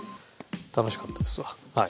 楽しかったですわはい。